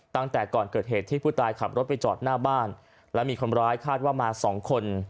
ตั้งแต่ก่อนเกิดเหตุที่ผู้ตายขับรถไปจอดหน้าบ้านและมีคนร้ายคาดว่ามาสองคน